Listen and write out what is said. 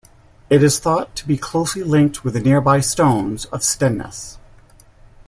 It is thought to be closely linked with the nearby Stones of Stenness.